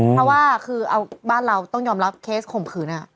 เพราะว่าคือเอาบ้านเราต้องยอมรับเคสข่มขืน